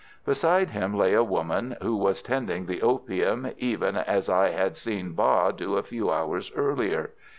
Beside him lay a woman, who was tending the opium, even as I had seen Ba do a few hours earlier.